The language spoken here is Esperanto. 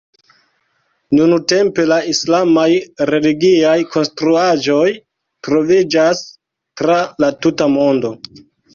Nuntempe la islamaj religiaj konstruaĵoj troviĝas tra la tuta mondo.